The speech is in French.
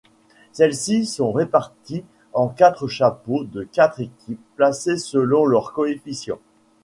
Celles-ci sont reparties en quatre chapeaux de quatre équipes, placées selon leur coefficient.